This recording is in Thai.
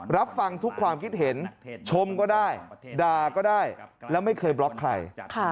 รับฟังทุกความคิดเห็นชมก็ได้ด่าก็ได้แล้วไม่เคยบล็อกใคร